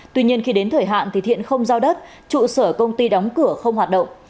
tuy nhiên khi đến thời hạn thì thiện không giao đất trụ sở công ty đóng cửa không hoạt động